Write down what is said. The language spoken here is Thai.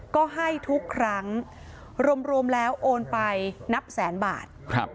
ก็ให้ทุกครั้งรวมแล้วโอนไปนับแสนบาท